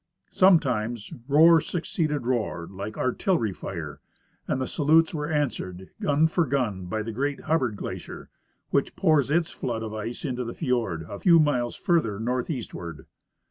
Sometimes, roar succeeded roar, like artil lery fire, and the salutes were answered, gun for gun, Ijy the great Hubbard glacier, which pours its flood of ice into the fjord a few miles further northeastward.